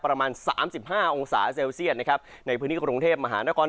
ประมาณ๓๕องศาเซลเซียตนะครับในพื้นที่กรงเทพมหานคร